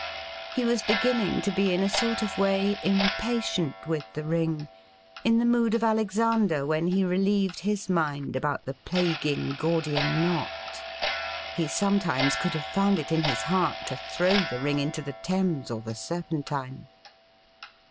He was beginning to be in a sort of way impatient with the ring, in the mood of Alexander when he relieved his mind about the plaguing Gordian knot. He sometimes could have found it in his heart to throw the ring into the Thames or the Serpentine.